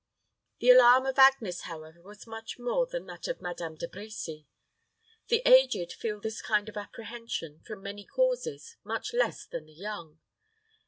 The alarm of Agnes, however, was much more than that of Madame De Brecy. The aged feel this kind of apprehension, from many causes, much less than the young.